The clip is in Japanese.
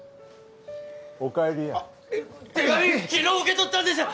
お帰りや手紙昨日受け取ったんです